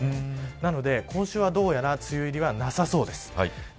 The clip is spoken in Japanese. なので今週は、どうやら梅雨入りはなさそうです。